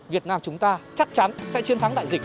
việt nam chúng ta chắc chắn sẽ chiến thắng đại dịch